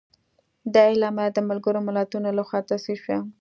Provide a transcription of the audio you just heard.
دا اعلامیه د ملګرو ملتونو لخوا تصویب شوه.